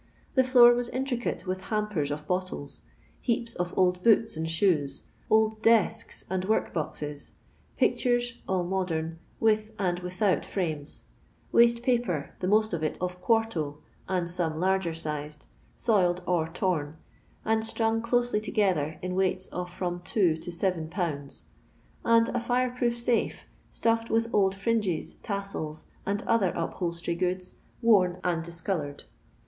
Hm floor was intricate with hampers of bottles ; heaps of old boou and shoes ; old desks and work boxes; pictures (all modern) with and without frames ; waste paper, the most of it of quarto, and some laiger sized, soiled or ton, and stmng closely together in weights of from 2 to Tibs.; and a fire proof safe, stufitKl vith flU fringes, tassels, and other upholstery goods^ wwn and diseoloored.